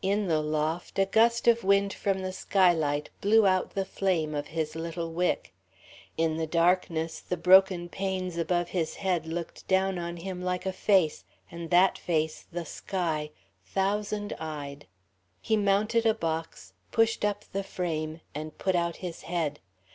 In the loft, a gust of wind from the skylight blew out the flame of his little wick. In the darkness, the broken panes above his head looked down on him like a face, and that face the sky, thousand eyed. He mounted a box, pushed up the frame, and put out his head.